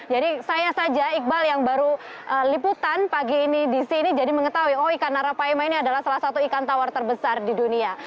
jadi saya saja iqbal yang baru liputan pagi ini di sini jadi mengetahui ikan arapaima ini adalah salah satu ikan tawar terbesar di dunia